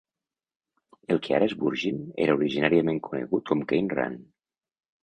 El que ara és Burgin era originàriament conegut com Cane Run.